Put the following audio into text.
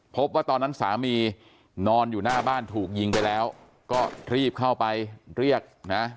พบว่าตอนนั้นสามีนอนอยู่หน้าบ้านถูกยิงไปแล้วก็รีบเข้าไปเรียกนะ